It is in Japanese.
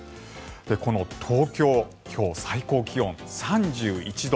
この東京、今日最高気温３１度。